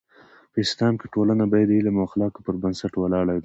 په اسلام کې ټولنه باید د علم او اخلاقو پر بنسټ ولاړه ده.